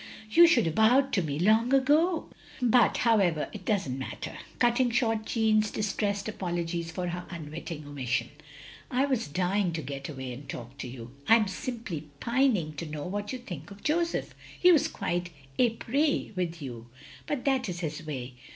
You should have bowed to me long ago. But, however, it doesn't matter —'' cutting short Jeanne's distressed apologies for her unwitting omission. "I was dying to get away and talk to you. I am simply pining to know what you think of Joseph. He was quite ipris with you. But that is his way.